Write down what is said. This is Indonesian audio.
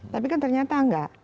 tapi kan ternyata tidak